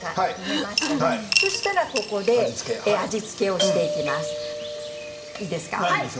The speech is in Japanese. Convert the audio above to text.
そうしたら味付けをしていきます。